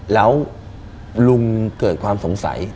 แล้วลุงเกิดความสงสัย